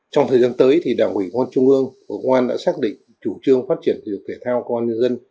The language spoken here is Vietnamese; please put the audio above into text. trong thời gian tới đảng quỹ công an trung ương và bộ công an đã xác định chủ trương phát triển thể dục thể thao công an nhân dân